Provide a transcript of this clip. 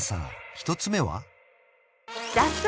１つ目は？